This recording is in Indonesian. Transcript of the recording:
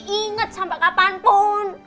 ingat sampai kapanpun